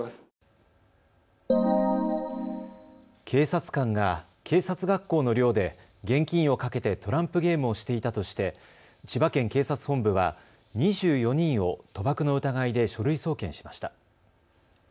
警察官が警察学校の寮で現金を賭けてトランプゲームをしていたとして千葉県警察本部は２４人を賭博の疑いで書類送検しました。